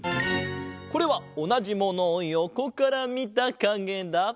これはおなじものをよこからみたかげだ。